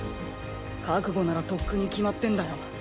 覚悟ならとっくに決まってんだよ。